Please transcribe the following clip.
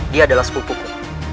dia adalah sepupuku